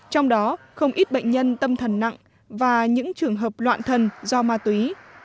trong đó không ít bệnh nhân tâm thần nặng và những trường hợp loạn thần do ma túy